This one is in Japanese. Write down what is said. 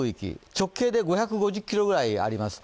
直径で５５０ｋｍぐらいあります。